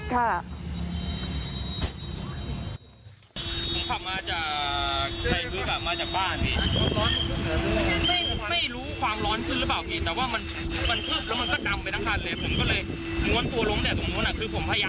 กลับมาจากมาจากบ้านไม่รู้ความร้อนคือหรือเปล่าพี่แต่ว่ามัน